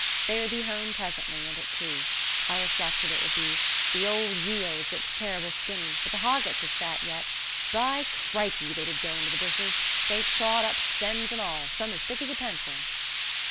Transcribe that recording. They would be home presently and at tea; I reflected it would be "The old yeos looks terrible skinny, but the hoggets is fat yet. By crikey! They did go into the bushes. They chawed up stems and all some as thick as a pencil."